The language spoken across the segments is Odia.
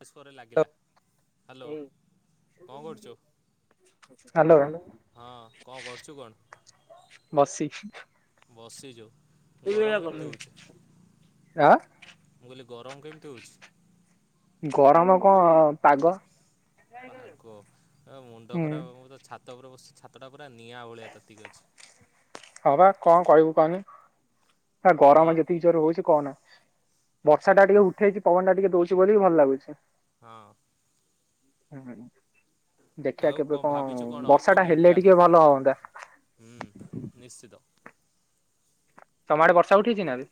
[unintelligible] ଲାଗିଲା, ହାଲୋ କଣ କରୁଚୁ? ହାଲୋ। ହଁ, କଣ କରୁଚୁ କଣ? ବସିଛି। ବସିଚୁ, ଗରମ କେମିତି ହୋଉଚି? ଆ ମୁଁ କହିଲି ଗରମ କେମିତି ହୋଉଚି? ଗରମ କଣ ପାଗ ପାଗ, ଆ ମୁଣ୍ଡ ହୁଁ ଖରାପ, ମୁଁ ତ ଛାତ ଉପରେ ବସିଚି ଛାତଟା ପୁରା ନିଆଁ ଭଳିଆ ତାତିକି ଅଛି। ହଁ ପା, କଣ କହିବୁ କହନି, ସା ହଁ ଗରମ ଯେତିକି ଜୋରରେ ହୋଉଚି କହନା। ବର୍ଷା ଟା ଟିକେ ଉଠେଇଚି, ପବନ ଟା ଟିକେ ଦୋଉଚି ବୋଲି ଭଲ ଲାଗୁଚି। ହଁ। ହୁଁ ହୁଁ, ଦେଖିଆ ଆଉ କେବେ କଣ, ଭାବିଛୁ ବର୍ଷା ଟା ଅପକମିଂ ହେଲେ ପ୍ଲାନ୍? ଟିକେ ଭଲ ହଅନ୍ତା। ହୁଁ, ନିଶ୍ଚିତ। ତମଆଡ଼େ ବର୍ଷା ଉଠେଇଚି ନା ଏବେ?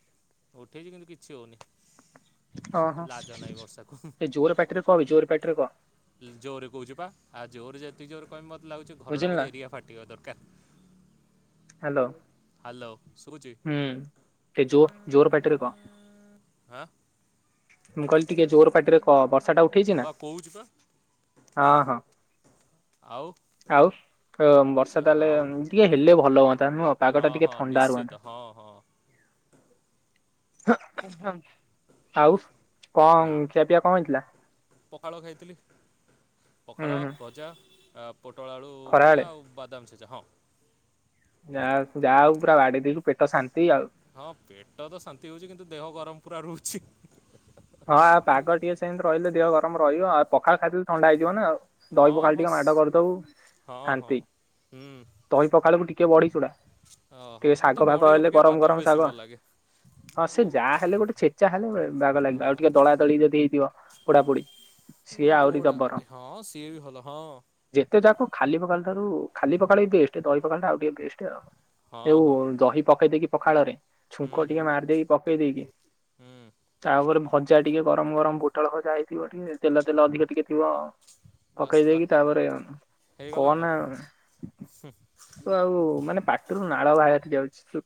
ଉଠେଇଚି କିନ୍ତୁ କିଛି ହୋଉନି। ଅ ହ, ଟିକେ ଜୋର ପାଟିରେ କହ ବେ, ଜୋର ପାଟିରେ କହ। ଜୋରରେ କୋହୁଚି ପା, ଆ ଯେତେ ତ ଜୋରେ କହିବି ମତେ ଲାଗୁଚି ଘରଟା ବୁଝିଲୁ ନା ବୋଧେ ଏରିଆ ଫାଟିବା ଦରକାର। ହାଲୋ। ହାଲୋ ଶୁଭୁଚି? ହୁଁ, ଟିକେ ଜୋ ଜୋର ପାଟିରେ କହ। ଆଁ ମୁଁ କହିଲି ଟିକେ ଜୋର ପାଟିରେ କହ, ବର୍ଷାଟା ଉଠେଇଚି ମୁଁ ନା? ବା କହୁଛି ପା ହଁ ହଁ। ଆଉ ଆଉ ବର୍ଷା ତାହେଲେ ଆଉ, ଟିକେ ହେଲେ ଭଲ ହୁଅନ୍ତା ନୁହଁ ପାଗ ଟା ହଁ ଟିକେ ହଁ ଥଣ୍ଡା ନିଶ୍ଚିତ, ରୁହନ୍ତା ହଁ ହଁ। [unintelligible] ଆଉ ନା କଣ ଖିଆ ପିଆ କଣ ହେଇଥିଲା? ପଖାଳ ଖାଇଥିଲି, ହୁଁ ପଖାଳ ହୁଁ ଭଜା, ପୋଟଳ ଆଳୁ ଖରାବେଳେ ଭଜା ଆଉ ବଦାମ ଛେଚା ହଁ। ଯାହା, ଯାହା ହଉ ପୁରା ବାଡେଇ ଦେଲୁ ପେଟ ଶାନ୍ତି ଆଉ। ହଁ ପେଟ ତ ଶାନ୍ତି ହୋଉଚି କିନ୍ତୁ ଦେହ ଗରମ ପୁରା ରୋହୁଚି। ହଁ, ପାଗ ଟିକେ ସେମିତି ରହିଲେ, ଦେହ ଗରମ ରହିବ, ଆଉ ପଖାଳ ଖାଇଦେଲେ ଥଣ୍ଡା ହେଇଯିବ ନା ଆଉ ଦହି ହଁ ପଖାଳ ହଁ ଟିକେ ମାଡ କରିଦବୁ, ହଁ ହଁ ଶାନ୍ତି। ହୁଁ ତହି ପଖାଳକୁ ଟିକେ ବଢିଚୁଡା, ଓହୋ ଟିକେ ମୋତେ ଶାଗ ବଡ଼ି ଫାଗ ହେଲେ, ଅପେକ୍ଷା ଗରମ ବାଦାମ ଗରମ ବେଶୀ ଶାଗ ଭଲ ଲାଗେ ହଁ ସେ ମୁଁ ଯା ହେଲେ, ଗୋଟେ ଛେଚା ହେଲେ, ବାଗ ଲାଗିବ, ଆଉ ଟିକେ ହଁ ଦଳା ତଳି ଯଦି ହେଇଥିବ, ପୋଡ଼ାପୋଡି, ସିଏ ଆହୁରି ପୋଡ଼ା ଜବର। ପୋଡ଼ି ହଁ ସିଏ ବି ଭଲ ହଁ ଯେତେ ଯାକ ଖାଲି ପଖାଳ ଠାରୁ ଖାଲି ପଖାଳ ବି ବେଷ୍ଟ, ଦହି ପଖାଳ ଟା ଆଉ ଟିକେ ବେଷ୍ଟ ଆଉ। ହଁ ଯଉ ହଁ ଦହି ପକେଇ ଦେଇକି ପଖାଳରେ, ହୁଁ ଛୁଙ୍କ ହୁଁ ଟିକେ ମାରିଦେଇକି, ପକେଇ ଦେଇେଇକି ହୁଁ ତା ପରେ ଭୋ ଭଜା ଟିକେ ଗରମ ଗରମ ପୋଟଳ ଭଜା ହେଇଥିବ ଟିକେ, ତେଲ ତେଲ ଅଧିକ ଟିକେ ଥିବ। ବାସ୍ ପକେଇ ବା ଦେଇକି ତାପରେୁ ହେଇଗଲା ଆଉ କନା ତ ଆଉ ମାନେ ପାଟିରୁ ନାଳ ବାହାର ବାହାରି ଯାଉଚି, ସେ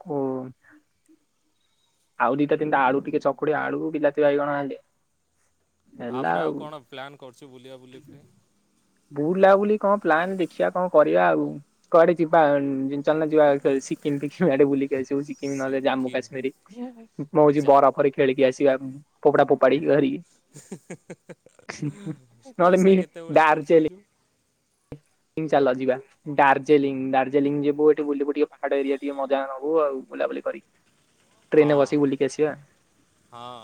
ଆଉ ଦିଟା ତିନଟା ଆଳୁ ଟିକେ ଚକୁଡିଆ, ଆଳୁକୁ ବିଲାତି ବାଇଗଣ ହେଲେ ଆ ପରେ ଆଉ କଣ ପ୍ଲାନ କରୁଛି ବୁଲିଆ ବୁଲି ପାଇଁ? ବୁଲାବୁଲି କଣ ପ୍ଲାନ୍ ଦେଖିବା କଣ କରିବା ଆଉ। କୁଆଡେ ଯିବା [unintelligible] ଚାଲୁନ ଯିବା କ ସିକିମ ଫିକିମ ଆଡ଼େ ବୁଲିକି ଆସିବୁ ସି କିମି ନହେଲେ ଜାମ୍ମୁ ସିକିମ୍ କାଶ୍ମୀର [unintelligible] ମୁଁ ହଉଛି ଯା ବରଫରେ ଖେଳିକି ଆସିବା ଫୋପଡା ଫୋପାଡି ଧରିକି। ପଇସା କେତେ ଭଳିଆ ନହେଲେ ମି ଖର୍ଚ୍ଚ ଦାର୍ଜିଲିଂ ହେଇଯିବ। [unintelligible] ଚାଲ ଯିବା। ଦାର୍ଜିଲିଂ ଦାର୍ଜିଲିଂ ଯିବୁ ଏଠି ବୁଲିବୁ ଟିକେ ପାହାଡ ଏରିଆ ଟିକେ ମଜା ନବୁ ଆଉ ବୁଲାବୁଲି କରି। ଟ୍ରେନରେ ହଁ ବସିକି ବୁଲିକି ଆସିବା। ହଁ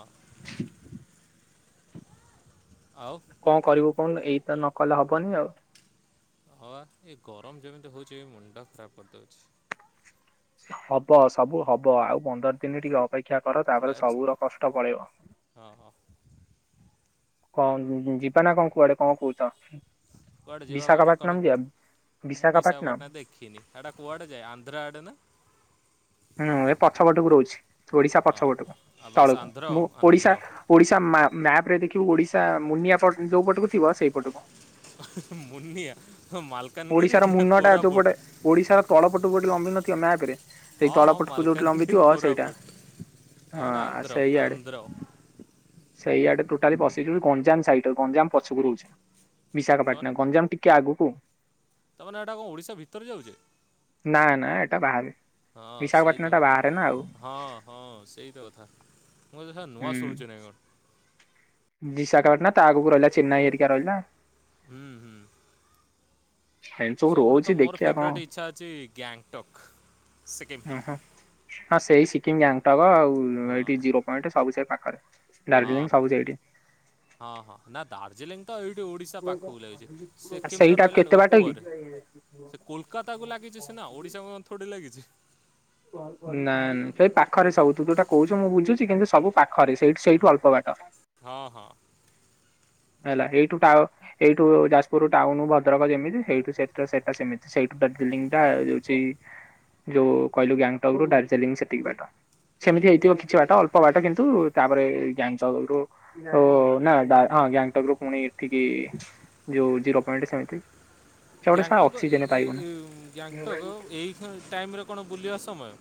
ଆଉ। କଣ କରିବୁ କହୁନୁ ଏଇ ତ ନକଲେ ହବନି ଆଉ? ହଁ ପା ଏ ଗରମ ଯେମିତି ହଉଛି ଏ ମୁଣ୍ଡ ଖରାପ କରିଦଉଛି। ହବ ସବୁ ହବ ଆଉ ପନ୍ଦର ଦିନ ଟିକେ ଅପେ କ୍ଷା କର ତାପରେ ଆଜି ସବୁର କଷ୍ଟ ପଳେଇବ। ହଁ ହଁ କଣ ଯିବା ନା କଣ କୁଆଡେ କଣ କହୁଛ? କୁଆଡେ ଯିବା କହୁନ କଣ? ବିଶାଖାପାଟନମ୍ ଯିବା? ମୁଁ ବିଶାଖାପାଟନମ୍ ବିଶାପାଟଣା ଦେ ଖୀନି ସେଟା କୁଆଡେ ଯାଏ ଆନ୍ଧ୍ରା ଆଡ଼େ ନା? ହୁଁ ଏ ପଛପଟକୁ ରହୁଛି ଓଡିଶା ହଁ ପଛପଟକୁ ଆଉ ବାସ୍ ତଳକୁ ଆନ୍ଧ୍ର ଆଉ ମୁଁ ଓଡିଶା। ଆନ୍ଧ୍ର ଓଡିଶା ମା ମ୍ୟାପ ରେ ଦେଖିବୁ ଓଡିଶା ମୁନିଆ ପଟ ଯୋଉ ପଟକୁ ଥିବ ସେଇପଟକୁ। ମୁନିଆ ହ ମାଲକାନଗିରି ଓଡିଶାର ନା ମୁନ ଟା ଯୋଉପଟେ କୋରାପୁଟ। ଓଡିଶାର ତଳପଟକୁ ଗୋଟେ ଲମ୍ବିନ ନଥିବ ମ୍ୟାପରେ ସେଇ ହଁ ହଁ ତଳପଟକୁ ଯୋଉଠି ମାଲକାନଗିରି ଲମ୍ବିଥିବ ସେଇଟା। କୋରାପୁଟ ହଁ ତାମାନେ ଆ ଆନ୍ଧ୍ର ସେଇ ଆଡେ। ଆନ୍ଧ୍ର ସେଇଆଡେ ଟୋଟାଲି ପଶିଯିବ ଗଞ୍ଜାମ ସାଇଡ ଗଞ୍ଜାମ ପଛକୁ ରହୁଛି। ତାମାନେ ବିଶାଖାପାଟଣା, ଗଞ୍ଜାମ ଟିକେ ଆଗକୁ। ତାମାନେ ଏଇଟା କଣ ଓଡିଶା ଭିତରେ ଯାଉଛି? ନା ନା ଏଟା ବାହାରେ ହଁ ସେଇ ବିଶାଖାପାଟଣା ତ ଟା କଥା ବାହାରେ ନା ଆଉ ହଁ। ହଁ ସେଇ ତ କଥା ମୁଁ [unintelligible] ନୂଆ ହୁଁ ଶୁଣୁଛି ନା କଣ? ବିଶାଖାପାଟଣା ତା ଆଗକୁ ରହିଲା ଚେନ୍ନାଇ ହେରିକା ରହିଲା। ହୁଁ ହୁଁ। ଏମିତି ସବୁ ସବୁଠୁ ରହୁଛି ତ ମୋର ଦେଖିବା କଣ ଫେବରେଟ ଇଚ୍ଛା ଅଛି ଗ୍ୟାଙ୍ଗଟକ୍। ସିକିମ୍ ଓହୋ ହଁ ସେଇ ସିିକିମ, ଗ୍ୟାଙ୍ଗଟକ ଆଉ ହଁ ଏଇଠି ଜିରୋ। ପଏଣ୍ଟେ ସବୁ ସେ ପାଖରେ। ହଁ ଦାର୍ଜିଲିଂ ହଁ ସବୁ ସେଇଠି ହଁ ହଁ ନା ଦାର୍ଜିଲିଂ। ତ ଏଇଠି ଓଡ଼ିଶା ପାଖକୁ ଲାଗିଛି ସିକିମ୍ ତ ସେଇଟା ରହିଲାଣି କେତେ ବାଟ କି? ଉପରେ। ସେ କୋଲକାତା କୁ ଲାଗିଛି ସିନା ଓଡିଶାକୁ ଥୋଡି ଲାଗିଛି। ଓ ଓ ନା ନ ସେଇ ପାଖରେ ସବୁ ତୁ ଯଉଟା କହୁଛୁ ମୁଁ ବୁଝୁଛି କିନ୍ତୁ ସବୁ ପା ଖ ରେ ସେଇଠୁ ହୁଁ। ସେଇଠୁ ଅଳ୍ପବାଟ। ହଁ ହଁ ହେଲା ଏଇଠୁ ଟା ଏଇଠୁ ଯାଜପୁର ଟାଉନ, ଭଦ୍ରକ ଯେମିତି ସେଇଠୁ ସେଟା ସେଟା ସେମିତି ସେଇଠୁ ଦାର୍ଜିଲିଂଟା ଯାଉଛି। ଯୋଉ କହିଲୁ ଗ୍ୟାଙ୍ଗଟକ ରୁ ଦାର୍ଜିଲିଂ ସେତିକି ବାଟ ସେମିତି ଗ୍ୟା ହେଇଥିବ କିଛି ବାଟ ଅ ପ ବାଟ କିନ୍ତୁ ତାପରେ ଗ୍ୟାଙ୍ଗଟକରୁ। ଓ ହୋ ନା ଦା ହଁ ଗ୍ୟାଙ୍ଗଟକରୁ ପୁଣି ଏଠିକି। ଯଉ ଜିରୋ ପଏଣ୍ଟ ସେମିତି। ସେ ଗୋଟେ ଶଳା ଗ୍ୟାଙ୍ଗଟକ ଏ ଅକ୍ସିଜେନ ପାଇବୁନୁ ଏ ଏ ଉଁ ଗ୍ୟାଙ୍ଗଟକ ଏଇ ଟାଇମରେ କଣ ବୁଲିବା ସମୟ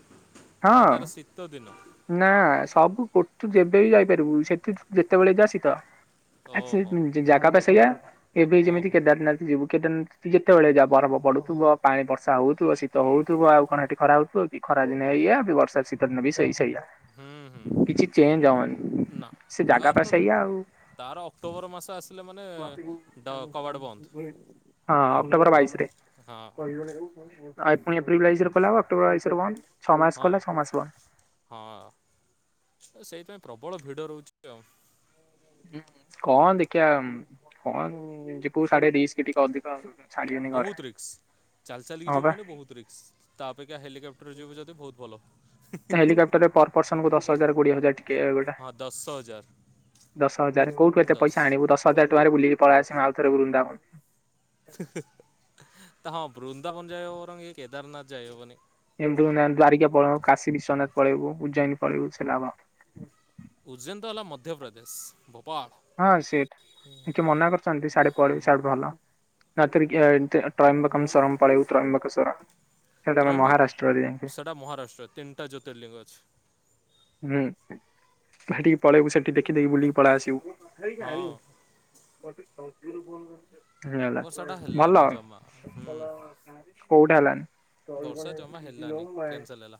ନା ହଁ ତାର ଶୀତ ଦିନ? ନା ସବୁ ଗୋ ତୁ ଯେବେ ବି ଯାଇପାରିବୁ ସେଠି ଯେତେବେଳେ ଯା ଶୀତ। ଓହୋ [unintelligible] ଜାଗା ପା ସେଆ ଏବେ ଯେମିତି ଓହୋ କେଦାରନାଥ ଯିବୁ କେଦାରନାଥ ତୁ ଯେତଅଳେ ଯାଆ ବରଫ ପଡୁଥିବ ପାଣି ବର୍ଷା ହଉଥିବ ଶୀତ ହଉଥିବ ଆଉ କଣ ହେଟି ଖରା ହଉଥିବ କି? ବି ଖରା ଦିନେ ହୁଁ ଏଇଆ ବି ବର୍ଷା ଶୀତ ଦିନେ ବି ସେଇ ସେଇଆ। ହୁଁ ହୁଁ। କିଛି ଚେଞ୍ଜ ହବନି ନା ସେ ଜାଗା ତାର ପା ତ ସେଇଆ ଆଉ। ହଁ ତାର ଅକ୍ଟୋବର ମାସ ଆସିଲେ ମାନେ ଡ କବାଟ ବନ୍ଦ ଅକ୍ଟୋବର ହଁ ବାଇଶିରେ। ହଁ ହଁ ପୁଣି ଏପ୍ରିଲ ବାଇଶିରେ ଖୋଲା ହବ ଅକ୍ଟୋବର ବାଇଶିରେ ବନ୍ଦ ଛଅ ମାସ ହଁ ଖୋଲା ଛଅ ମାସ ବନ୍ଦ। ହଁ ସେଇଥି ପାଇଁ ପ୍ରବଳ ଭିଡ଼ ରହୁଛି ଆଉ। ହୁଁ କଣ ଦେଖିଆ କଣ ଯେ କୋଉ ସାଡେ ରିସ୍କ ଟିକେ ଅଧିକ ଛାଡିବେନି ଘରେ ବହୁତ ରିକ୍ସ ଚାଲି ଚାଲିକି ହଁ ଯିବୁ ବା ମାନେ ବହୁତ ରିକ୍ସ ତା ଅପେକ୍ଷା ହେଲିକପ [unintelligible] ରେ ଯିବୁ ଯଦି ବହୁତ ଭଲ। ତ ହେଲିକାପ୍ଟରରେ ପର ପର୍ସନକୁ ଦଶ ହଜାର କୋଡିଏ ହଜାର ଟିକେ ଗୋଟା। ହଁ ଦଶ ହଜାର ଦଶ ହଜାର କୋଉଠୁ ଏତେ ଦଶ ପଇସା ଆଣିବୁ ଦଶ ହଜ ଟଙ୍କାରେ ବୁଲିକି ପଳେଇ ଆସିବୁ ଆଉଥରେ ବୃନ୍ଦାବନ। ତ ହଁ ବୃନ୍ଦାବନ ଯାଇହବ ବରଂ ଏ କେଦାରନାଥ ଯାଇହବନି। [unintelligible] ଦ୍ୱାରିକା ପଳେଇବୁ କାଶୀ ବିଶ୍ୱନାଥ ପଳେଇବୁ ଉଜ୍ଜୈନ ପଳେଇବୁ ସେ। [unintelligible] ଉଜ୍ଜୈନ ତ ହେଲା ମଧ୍ୟପ୍ରଦେଶ ଭୋପାଳ। ହଁ ସେଠ କିଏ ମନା କରିଚନ୍ତି ସିଆଡେ କୁଆଡେ ସିଆଡେ ଭଲ [unintelligible] ଟ୍ରୟମ୍ବକମ୍ ସରମ୍ ପଳେଇବୁ ତ୍ରୟମ୍ବକେଶ୍ଵର। ତ୍ରୟମ୍ବକ ସେଟା ମହାରାଷ୍ଟ୍ରରେ ତିନଟା ଜ୍ୟୋତିର୍ଲିଙ୍ଗ ଅଛି। ହୁଁ ହେଠିକ ପଳେଇବୁ ସେଠି ଦେଖି ଦେଇକି ବୁଲିକି ପଳେଇ ହଁ ଆସିବୁ। [inaudible] ହେଇଗଲା ବର୍ଷାଟା ଭଲ ହେଲାନି ଜମା ହୁଁ କୋଉଟା ବର୍ଷା ଜମା ହେଲାନି। ହେଲାନି କ୍ୟାନସଲ୍ ହେଲା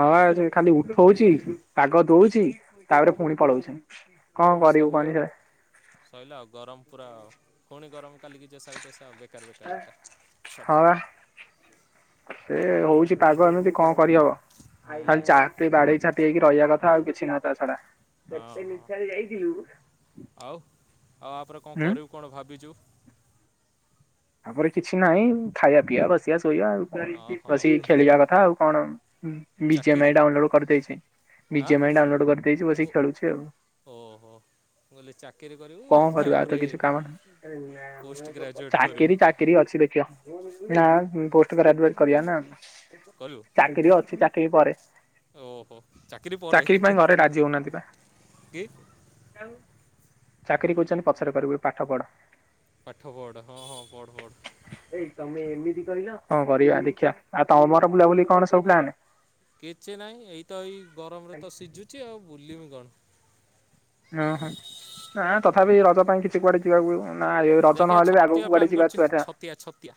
ହଁ ନାଇଁ ଆଜି ଖାଲି ଉ ଠଉଛି ପାଗ ଦଉଛି ତାପରେ ପୁଣି ପଳଉଛି କଣ କରିବୁ ସଇଲା କହନି ଆଉ ସେ ସଇଲା ଆଉ ଗରମ ପୁରା ପୁଣି ଗରମ କାଲିକି ଯେସା କୁ ତେସା ବେକାର ବେକାର ବେକାର ହଁ ଛାଡ଼ ବା ସେ ହଉଛି ପାଗ ଏମିତି କଣ କରିହବ। ଖାଲି ହୁଁ ଚାହା ପିଇ ବାଡେଇ ଛାଟି ହେଇକି ରହିଆ କଥା ଆଉ କିଛି ନା ତା ଛଡା। ହଁ ହଁ ଆଉ ଆ ପରେ କଣ ହୁଁ। କରିବୁ ଭାବିଛୁ? ଆ ପରେ କିଛି ନାହିଁ ଖାଇଆ ପିଇଆ ବସିଆ ଶୋଇଆ ଆଉ। ହଁ ହଁ ବସିକି ଖେଳିଆ କଥା ଆଉ କଣ ବି ଜେ ମା ଚାକିରି ଇ ଡାଉନଲୋଡ କରିଦେଇଛି। ବି ଆଁ ଜେ ମା ଇ ଡାଉନଲୋଡ କରିଦେଇଛି ଓ ବସିକି ଖେଳୁଛି ଆଉ। ଓହୋ ମୁ କହିଲି ଚା କଣ କରିବା ଆଉ ତ କିଛି କାମ ପୋଷ୍ଟ ନାହିଁ ଗ୍ରାଜୁଏଟ୍ କରିବୁ ଚାକିରି ଚାକିରି ଅଛି ଦେଖିବା। ନା ପୋଷ୍ଟ ଗ୍ରେଜୁଏଟ କରିଆ ନା। କରିବ? ଚାକିରି ଅଛି ଚାକିରି ପରେ। ଓହୋ ଚାକିରି ପରେ ପାଇଁ ଘରେ ରାଜି ହଉନାହାନ୍ତି ବା। କି। ଚାକିରି କଉଛନ୍ତି ପଛରେ କରିବୁ ଏବେ ପାଠ ପଢ। ପାଠ ପଢ ହଁ ହଁ ପଢ଼ ପଢ। କଣ କରିଆ ଦେଖିଆ ଆଉ ତମର ବୁଲାବୁଲି କଣ ସବୁ ପ୍ଲାନ? କିଛି ନାହିଁ ଏଇତ ଏଇ ଗରମରେ ତ ସିଝୁଛି ଆଉ ବୁଲିମି କଣ। ଓ ହଁ ନା ତଥାପି ରଜ ପାଇଁ କିଛି କିଛି କୁଆଡେ ଯିବାକୁ ନା ଏ ରଜ ନ ଦେଖିଆ ହେଲେ ବି ଆଗକୁ ଛତିଆ କୁଆଡେ ପ୍ଲାନ୍ ଯିବା କରୁଛି [unintelligible] ଛତିଆ ଛତିଆ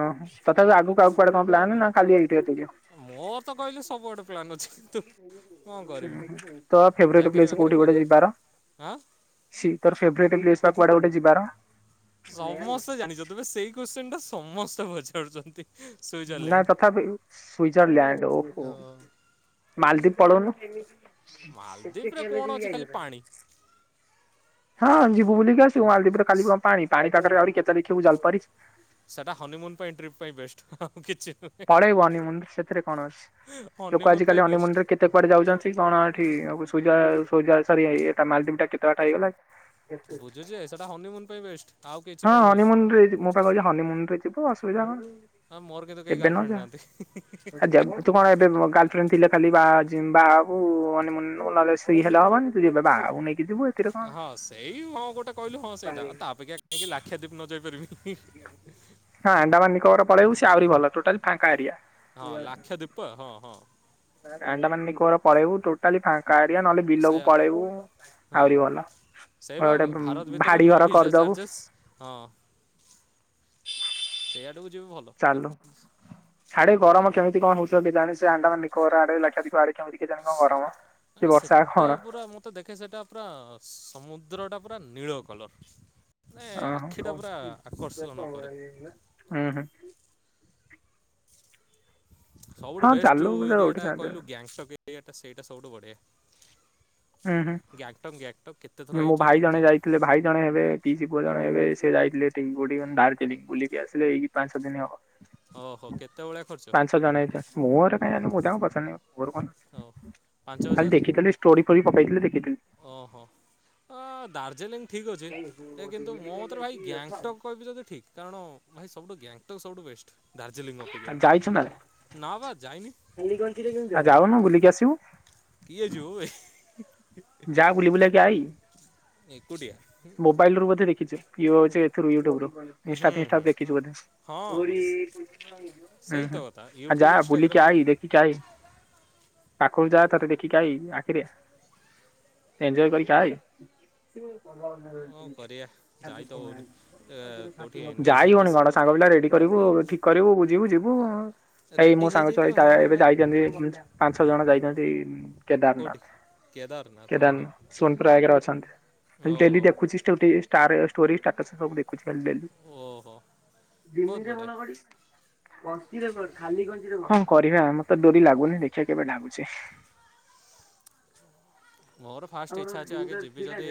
ଓହୋ ତଥାପି ଆଗୁକୁ ଆଉ କୁଆଡେ କଣ ପ୍ଲାନ୍ ନା ଖାଲି ଏଇଠୁ ଏତିକି? ମୋ ତ କହିଲି ସବୁଆଡେ ପ୍ଲାନ୍ ଅଛି କିନ୍ତୁ କ'ଣ କରିବି ତ ଫେଭରୋଟେ ଚାକିରି ପ୍ଲେସ ବାକିରି କୋଉଠି ଗୋଟେ କଲେ ଯିବାର ହଁ ଶି ତ ଫେଭରେଟ ପ୍ଲେସ କୁଆଡେ ଗୋଟେ ଯିବାର ସମସ୍ତେ ଜାଣିଛ ତୁମେ ସେଇ କୋଶ୍ଚନ ଟା ସମସ୍ତେ ପଚାରୁଛନ୍ତି ନା ସୁଇଜରଲ୍ୟାଣ୍ଡ ତଥାପି ସ୍ଵିଜରଲ୍ୟାଣ୍ଡ ଓ ହଁ ମାଲଦୀପ ପଳଉନ ମାଲଦୀପ ରେ କଣ ଅଛି ଖାଲି ପାଣି ହଁ ଯିବୁ ବୁଲିକି ଆସିବୁ ମାଲଦିପ ରେ ଖାଲି କଣ ପାଣି ପାଣି ପାଖରେ କେତ ଦେଖିବୁ ଜଲପରି ସେଇଟା ହନିମୁନ୍ ପାଇଁ ଟ୍ରିପ୍ ପାଇଁ ବେଷ୍ଟ ଆଉ କିଛି ନୁହେଁ ପାଳେଇବୁ ହନିମୁନ ସେଥିରେ କଣ ଅଛି ଲୋକ ହନିମୁନ୍ ଆଜିିକାଲି ପାଇଁ ବେଷ୍ଟ ହନିମୁନରେ କେତେ କୁଆଡେ ଯାଉଛନ୍ତି କଣ ଏଠି ପୁଜା ସରି ଏଟା ମାଲଦୀପ ଟା କେତେ ବାଟା ହେଇଗଲା ବୁଝୁଛି ଯେ ସେଟା ହନିମୁନ୍ ପାଇଁ ବେଷ୍ଟ ଆଉ କିଛି ପାଇଁ ହଁ ନୁହେଁ ହନିମୁନ ରେ ମୋ ପାଖ କହୁଛି ହନିମୁନ ରେ ଯିବୁ ଅସୁବିଧା କଣ ହଁ ମୋର କିନ୍ତୁ କେହି ଏବେ ନ ଗାର୍ଲଫ୍ରେଣ୍ଡ ଯା। ଆ ଯା ନାହାଁନ୍ତି ତୁ କଣ ଏବେ ଗାର୍ଲଫ୍ରେଣ୍ଡ ଥିଲେ ଖାଲି ବାହାବୁ ବହାହେବୁ ହନିମୁନ ମ ନହେଲେ ସେଇ ହେଲେ ହବନି ତୁ ଯବେ ବାହା ହେବୁ ନେଇକି ଯିବୁ ଏଥିରେ କଣ ହଁ ସେଇ ହଁ ଗୋଟା କହିଲୁ ହଁ ସେଇଟା ତା ଅପେକ୍ଷା କାହିଁକି ଲାକ୍ଷାଦୀପ ନ ଯାଇ ପାରିବି ହଁ ଆଣ୍ଡାମାନ ନିକୋବର ପଳେଇ ବୁ ସେ ଆହୁରି ଭଲ ଟୋଟାଲ ଫାଙ୍କା ଏରିଆ ତ ହଁ ହଁ ଆଣ୍ଡାମାନ ନିକୋବର ପଳେଇବୁ ଟୋଟାଲ ଫାଙ୍କା ଏରିଆ ନହେଲେ ବିଲକୁୁ ସେଇଆ ପଳେଇବୁ ହଁ ଆହୁରି ଭଲ ସେଇ ବା ଗୋଟେ ଭାରତ ଭିତରେ ଭାଡି ନୋ ଘର ଭିଜା କରିଦବୁ ଚାର୍ଜେସ୍ ହଁ ସେଇଆଡେକୁ ଯିବୁ ଭଲ ଚାଲୁ କିନ୍ତୁ ଛାଡେ ଗରମ କେମିତି କଣ ହଉଛ କି ଜାଣ ସେ ଆଣ୍ଡାମାନ ନିକୋବର ଆଡେ ଲାକ୍ଷାଦ୍ଵୀପ ଆଡେ କେମିତି କେଜାଣି କଣ ଗରମ। କି ସେ ବର୍ଷା ସେଟା କଣ ପୁରା ମୋତେ ତ ଦେଖେ ସେଇଟା ପୁରା ସମୁଦ୍ର ଟା ପୁରା ନୀଳ କଲର ମାନେ ଓହୋ ହୁଁ ଆଖି ଟା ପୁରା ଆକର୍ଷଣ କରେ ହଁ ହୁଁ ସବୁଠୁ ହଁ ବେଷ୍ଟ ଚାଲୁ ଯୋଉ ଏରିଆ ଟା ଗୋଟେ କହିଲୁ ଗ୍ୟାଙ୍ଗଟକ ଏରିଆ ଟା ସେଇଟା ସବୁଠୁ ବଢିଆ ହୁଁ ହୁଁ ମୋ ହେଇଛି ଭାଇ ମୁଁ ଜଣେ ଯାଏ ଯାଇଥିଲେ ଭାଇ ଜଣେ ହେବେ ପିଇସୀ ପୁଅ ଜଣେ ହେବେ ସେ ଯାଇଥିଲେ ଏଇଠି କୋଉଠି କହିଲ ଦାର୍ଜିଲିଂ ବୁଲିକି ଆସିଲ ଏଇକି ପାଞ୍ଚ ସାତ ଦିନ ହବ ଓହୋ କେତେ ଭଳିଆ ଖର୍ଚ୍ଚ ପାଞ୍ଚ ଛଅ ଜଣ ହେଇଛ ମୁଁ ଆରେ କାଇଁ ଆଉ ମୁଁ ତାଙ୍କୁ ପଚାରିନି ଆଉ ମୋର ଓ ପାଞ୍ଚ କଣ ଖାଲି ହଜାର ଦେଖିଥିଲି ଷ୍ଟୋରି ଫୋରି ପକେଇଥିଲେ ଦେଖିଥିଲି ଓହୋ ଦାର୍ଜିଲିଂ ଠିକ୍ ଅଛି ଏ କିନ୍ତୁ ମୋ ମତରେ ଭାଇ ଗ୍ୟାଙ୍ଗଷ୍ଟକ୍ କହିବି ଯଦି ଠିକ୍ କାରଣ ଭାଇ ସବୁଠୁ ଗ୍ୟାଙ୍ଗଟକ୍ ସବୁଠୁ ବେଷ୍ଟ ଦାର୍ଜିଲିଂ ଅପେକ୍ଷା ଆଉ ଯାଇଛୁ ନା ନା ବା ଯାଇନି ଯାଉନୁ ବୁଲିକି ଆସିବୁ କିଏ ଯିବ ୱେ ଯା ବୁଲି ବୁଲା କି ଆଈ ଏକୁଟିଆ। ମୋବାଇଲ ରୁ ମଧ୍ୟ ଦେଖିଛି ଏଥିରୁ ୟୁଟୁବ ର ଇନ୍ସଟା ହୁଁ ଫିନ୍ସଟା ହୁଁ ହଁ। ଦେଖିଛୁ ବୋଧେ ହଁ ସେଇ ହୁଁ ହୁଁ ତ କଥା ଆଉ ୟୁଟ୍ୟୁବ୍ ଯାହା ବୁଲିକି ଆ ଇନଷ୍ଟାଗ୍ରାମରେ କାଇ ପାଖରୁ ଯା ଥରେ ଦେଖିକି ଆଇ ଆଖିରେ ଏନ୍ଜୋୟ କରିିକ ଆଇ କଣ କରିବା ତ ହଉନି। ଏ କୋଉଠି ଏନଗେଜ୍ ଯାଇ ହେଲେ ହଉନି କଣ ସିନା ସାଙ୍ଗ ପିଲା ରେଡି କରିବୁ ଠିକ କରିବୁ ବୁଝିବୁ ଯିବୁ ଏଇ ରେଡ଼ି ମୋ ସାଙ୍ଗ ଛୁଆ ହେଇଯାଇଥିବେ ହଁ ଏବେ ହାମାରେ ଯାଇଛନ୍ତି ପାଞ୍ଚ ଛ ଜଣ ଯାଇଛନ୍ତି କୋଉଠି? କେଦର କେଦାରନାଥ ସୋନପ୍ରଏକ ରେ ଅଛନ୍ତି। ଡେଲି ଓହୋ ଦେଖୁଚି ଷ୍ଟୋଟି, ଷ୍ଟାର, ଷ୍ଟୋରି, ଷ୍ଟାଟସ୍ ସବୁ ଦେ ଖୁଚି କାଳିଜାଇ। ଓହୋ ବହୁତ ତିନିଟା ବଢ଼ିଆ। ଭଲକଲି। କଣ କରିବା ଆମର ତ ଡୋରି ଲାଗୁନି ଦେଖିବା କେବେ ଲାଗୁଚି। ମୋର ଫାଷ୍ଟ ଇଚ୍ଛା ଅଛି ଆଗେ ଯିବି ଯଦି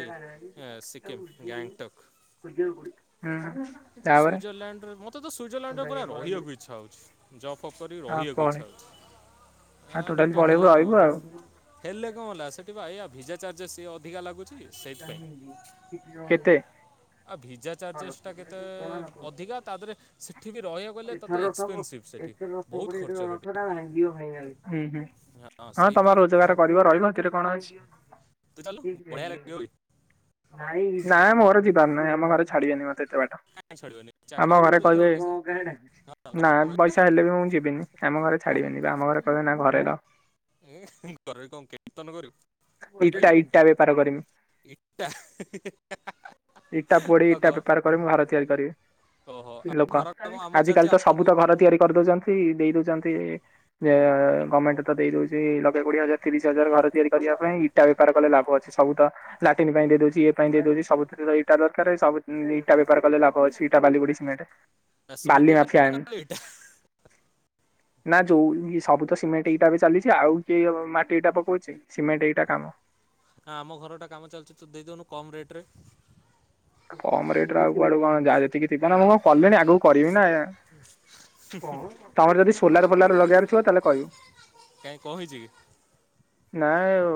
ଏ ସିକିମ୍ ଗ୍ୟାଙ୍ଗଟକ୍। ଭାଗ୍ୟକୁ ଆଁ। ସୁଇଜରଲ୍ୟାଣ୍ଡରେ ମୋତେ ତ ସୁଇଜରଲ୍ୟାଣ୍ଡ ରେ ପୁରା ରହିଆକୁ ଇଚ୍ଛା ହୋଉଚି। ଯବ୍ ଫବ୍ କରି ହଁ ରହିଆକୁ ପଳେ ଇଚ୍ଛା ହୋଉଚିବ। ଆଉ ଆ ଟୋଟାଲି କିନ୍ତୁ ପଳେଇବୁ ହେଲେ କଣ ରହିବୁ ହେଲା। ଆଉ। ହେଲେ କଣ ହେଲା ସେଠି ବା ଏଇଆ ଭିଜା ଚାର୍ଜେସ୍ ଟିକେ ଅଧିକା ଲାଗୁ ଚି। କେତେ? ଆଉ ଭିଜା ଚାର୍ଜେସ୍ ଟା କେତେ ଅଧିକା। ତା ଦେହରେ ସେଠି ବି ରହିଆକୁ ହେଲେ ତତେ ଏକ୍ସପେନସିଭ୍ ସେଠି। ହଁ ବହୁତ ତମେ ଖର୍ଚ୍ଜ ସେଠି ହଁ ସେଇଥିପାଇଁ ତ ରୋଜଗାର କରିବ ରହିବ। ସେଥିରେ କଣ ଅଛି। ତୁ ଚାଲୁନୁ ବଢିଆ ଲାଗିବ ବେ। ନାଇଁ ନା ମୋର ଯିବାର ନାଇଁ, ଆମ ଘରେ ଛାଡ଼ିିବେନି ମତେ ଏତେ ବାଟ। କାଇଁ ଛାଡ଼ିବନି ଚାକିରି ଆମ କରିବୁ ଘରେ ଯେତେବେଳେ କହିବେ ପଇସା ମୁଁ କଇଁ ହଁ ଡାକୁଚି। ଘରେ ନା କ'ଣ କହିବେ? ପଇସା ହେଲେ ବି ମୁଁ ଯିବିନି, ଆମ ଘରେ ଛାଡିବେନି ବା। ଆମ ଘରେ କହିବେ ନା ଘରେ ରହ। ଏ ଘରେ କଣ କୀର୍ତ୍ତନ କରିବୁ? ଇଟା ଅଇଥା ଇଟା ବେପାର କରିମି ଇଟା ହେ ହେ। ଇଟା ପୋଡି ଇଟା ବେପାର କରି ମୁଁ ଘର ତିଆରି କରିବି। ଆଉ ଲୋକ, ଘର କାମ ଆମର ଚାଲିଛି ଆଜିକାଲି ତ ସବୁ ଆମକୁ ତ ଘର ତିଆରି କରଦୋ ଉଚନ୍ତି ଦେଇ ଦୋଉଚନ୍ତି ଯେ ଏ ଗମେଣ୍ଟ ତ ଦେଇ ଦୋଉଚି ଲକ୍ଷେ କୋଡିଏ ହଜାର, ତିରିଶ ହଜାର ଘର ତିଆରି କରିବା ପାଇଁ ଇଟା ବେପାର କଲେ ଲାଭ ଅଛି। ସବୁ ତ ଲାଟିନ୍ ପାଇଁ ଦେଇ ଦୋଉଚି ଇଏ ପାଇଁ ଦେଇ ଦୋଉଚି ସବୁଥିରେ ତ ଇଟା ଦରକାର, ସବୁଦିନ ଇଟା ବେପାର କଲେ ଲାଭ ଅଛି, ଇଟା ବାଲି ଗୋଡି ସିମେଣ୍ଟ। ସିମେଣ୍ଟ ବାଲି ଇଟା ନା ମାଫିଆଙ୍ଗ ନାଲି ଇଟା ନା ଯୋଉ ସବୁ ତ ସିମେଣ୍ଟ ଇଟା ବି ଚାଲିଚି ଆଉ କିଏ ମାଟି ଇଟା ପକୋଉଚି। ସିମେଣ୍ଟ ଇଟା କାମ। ଆମ ଘର ଟା କାମ ଚାଲୁଚି ତତୁ ଦେଇଦୋଉନୁ କମ୍ ରେଟ୍ ରେ। କମ୍ ରେଟ୍ ରେ ଆଉ କୁଆଡୁ କଣ ଯାହା ଯେତିକି ଥିବ ନା। ମୁଁ କଣ କଲିଣି ଆଗକୁ କରିବି ନା। ତମର ଯଦି ସୋଲାର ଫୋଲାର ଲଗେଇୟାର ଥିବ ତାହେଲେ କହିବୁ। କାଇଁ କଣ ହେଇଚି କି? ନାଏ ଓ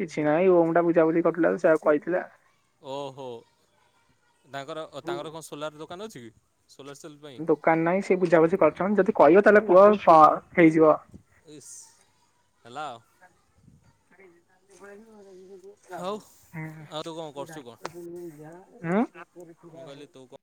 କିଛି ନାହିଁ ଓମ୍ ଟା ବୁଝାବୁଝି କରଥୁଲା ତ ସେୟାକୁ କଇଥିଲା। ଓହୋ ତାଙ୍କର ତାଙ୍କର କଣ ସୋଲାର ଦୋକାନ ଅଛି କି? ସୋଲାର ସେଲ ଦୋକାନ ନାହିଁ ସେ ବୁଝାବୁଝି କରୁଚନ୍ତି ଯଦି କହିବ ତାହେଲେ କୁହ ଅ ହେଇଯିବ। ଇସ୍ ହେଲା ଆଉ। [unintelligible] ହଉ ଆଉ ତୁ କଣ କରୁଚୁ କଣ? ମୁଁ କହିଲି ତୁ ମୁଁ? କଣ